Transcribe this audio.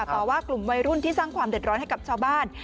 ต่อว่ากลุ่มวัยรุ่นที่สร้างความเดือดร้อนให้กับชาวบ้าน